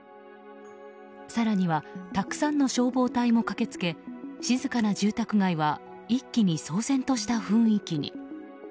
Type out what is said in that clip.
更にはたくさんの消防隊も駆けつけ静かな住宅街は一気に騒然とした雰囲気に。